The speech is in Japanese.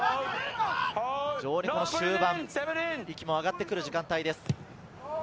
終盤、息も上がってくる時間帯です。